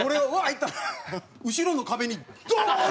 言ったら後ろの壁にドーン！